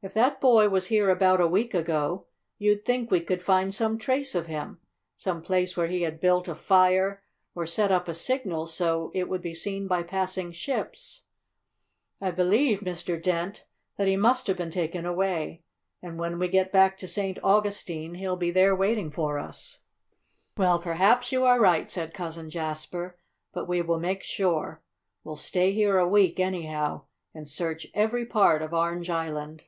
"If that boy was here about a week ago, you'd think we could find some trace of him some place where he had built a fire, or set up a signal so it would be seen by passing ships. I believe, Mr. Dent, that he must have been taken away, and when we get back to St. Augustine he'll be there waiting for us." "Well, perhaps you are right," said Cousin Jasper, "but we will make sure. We'll stay here a week, anyhow, and search every part of Orange Island."